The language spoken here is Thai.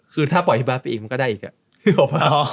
คือถ้าปล่อยให้บาสไปอีกมันก็ได้อีกอ่ะ